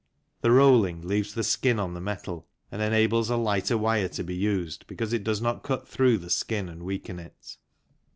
The rolling leaves the skin on the metal and enables a lighter wire to be used, because it does not cut through the skin and weaken it.